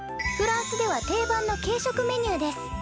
フランスでは定番の軽食メニューです。